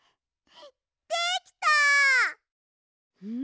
できた！